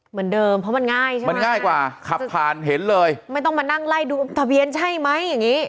เหมือนเดิมเพราะมันง่ายใช่ไหมมันง่ายกว่าขับผ่านเห็นเลยไม่ต้องมานั่งไล่ดูทะเบียนใช่ไหมอย่างงี้